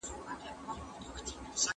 زه هره ورځ د کتابتون کتابونه لوستل کوم!.